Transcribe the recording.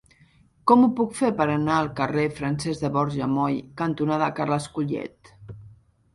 Com ho puc fer per anar al carrer Francesc de Borja Moll cantonada Carles Collet?